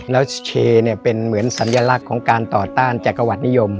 แล้วเชเนี่ยเป็นเหมือนสัญลักษณ์ของการต่อต้านจักรวรรดนิยม